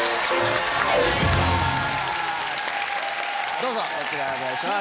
どうぞこちらへお願いします。